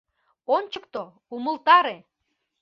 Ончыкто, умылтаре!